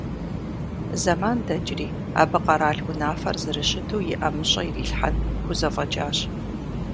Зэман дэкӀри, абы къэрал унафэр зэрыщыту и ӀэмыщӀэ ирилъхьэн хузэфӀэкӀащ.